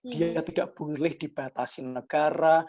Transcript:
dia tidak boleh dibatasi negara